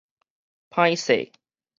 歹勢